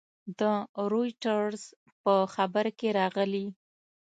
د رویټرز په خبر کې راغلي